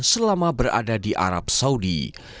selama berada di arab saudi